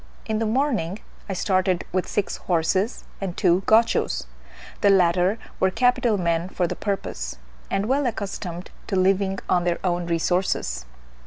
In the morning I started with six horses and two Gauchos: the latter were capital men for the purpose, and well accustomed to living on their own resources.